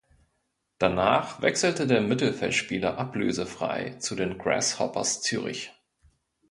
Danach wechselte der Mittelfeldspieler ablösefrei zu den Grasshoppers Zürich.